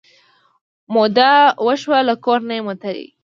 موده وشوه له کور نه یم وتلې